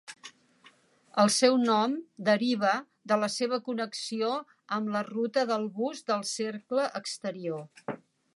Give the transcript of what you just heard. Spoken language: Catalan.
El seu nom deriva de la seva connexió amb la ruta del bus del Cercle Exterior.